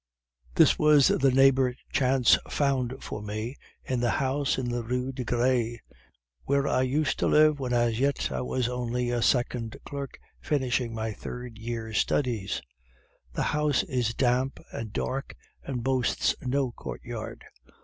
"This was the neighbor Chance found for me in the house in the Rue de Gres, where I used to live when as yet I was only a second clerk finishing my third year's studies. The house is damp and dark, and boasts no courtyard.